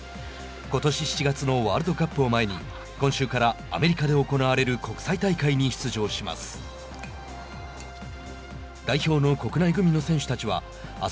ことし７月のワールドカップを前に今週からアメリカで行われる国際大会に出場します。